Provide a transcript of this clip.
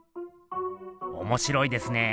おもしろいですね。